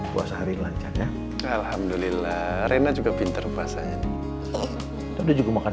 buang video terus kan